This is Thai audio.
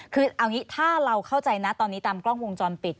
คือเอางี้ถ้าเราเข้าใจนะตอนนี้ตามกล้องวงจรปิด